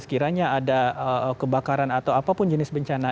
sekiranya ada kebakaran atau apapun jenis bencana